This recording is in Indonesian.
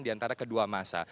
di antara kedua masa